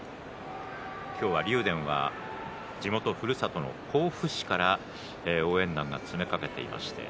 今日は竜電は地元ふるさとの甲府市から応援団が詰めかけています。